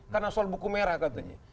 karena soal buku merah katanya